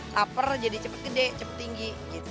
laper jadi cepat gede cepat tinggi